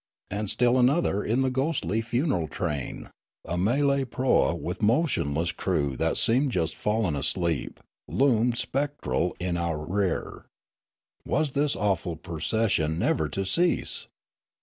And still another in the ghostly funeral train, a Malay proa with motionless crew that seemed just fallen asleep, loomed spectral in our rear. Was this awful procession never to cease